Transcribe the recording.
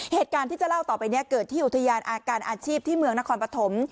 เหตุการณ์ที่จะเล่าต่อไปนี้เกิดที่อุทยานอาการอาชีพที่เมืองนครปฐม